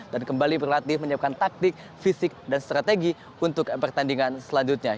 dan kembali berlatih menyiapkan taktik fisik dan strategi untuk pertandingan selanjutnya